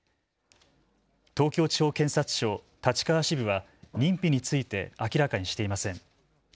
東京地方検察庁立川支部は認否について明らかにしていません。